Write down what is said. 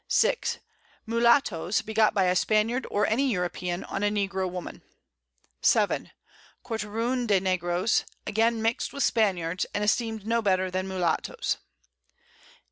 6. Mullattoes, begot by a Spaniard, or any European, on a Negro Woman. 7. Quarteroon de Negroes, again mixt with the Spaniards, and esteem'd no better than Mullattoes. 8.